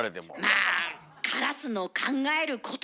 まあカラスの考えることだから！